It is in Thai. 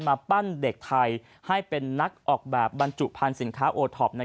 มาปั้นเด็กไทยให้เป็นนักออกแบบบรรจุภัณฑ์สินค้าโอท็อป